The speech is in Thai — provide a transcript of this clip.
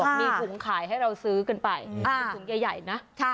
มีถุงขายให้เราซื้อกันไปเป็นถุงใหญ่นะ